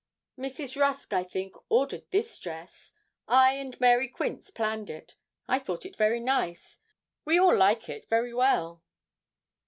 'Mrs. Rusk, I think, ordered this dress. I and Mary Quince planned it. I thought it very nice. We all like it very well.'